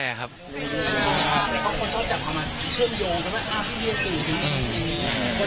ไม่ถึงจะลงอะไรหรือเปล่าคนชอบจากคำว่าชื่นโยงกับแม่ภาพที่เยี่ยมสูง